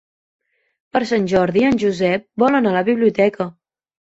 Per Sant Jordi en Josep vol anar a la biblioteca.